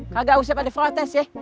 kagak usah pada protes ya